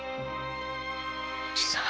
おじさん。